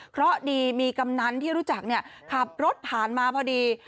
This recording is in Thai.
เพราะดีมีกำนันที่รู้จักขับรถผ่านมาพอดี